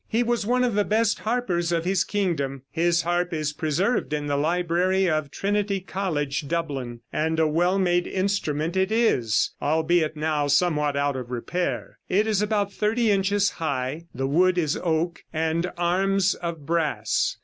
He was one of the best harpers of his kingdom. His harp is preserved in the library of Trinity College, Dublin, and a well made instrument it is, albeit now somewhat out of repair. It is about thirty inches high; the wood is oak and arms of brass.